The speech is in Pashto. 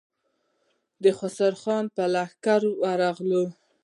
د خسرو خان پر لښکر ورغلل.